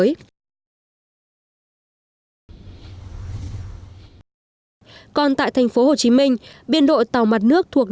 còn tại thành phố hồ chí minh biên đội tàu mặt nước thuộc